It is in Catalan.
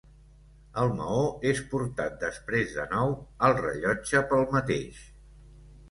El maó és portat després de nou al rellotge pel mateix.